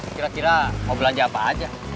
kira kira mau belanja apa aja